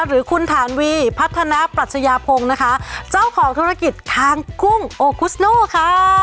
หรือคุณฐานวีพัฒนาปรัชญาพงศ์นะคะเจ้าของธุรกิจคางกุ้งโอคุสโน่ค่ะ